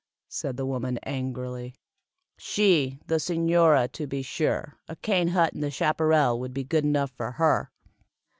said the woman, angrily. "She, the señora, to be sure! A cane hut in the chaparral would be good enough for her."